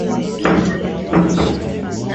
Mungu ni mkubwa Sana.